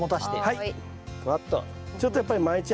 はい。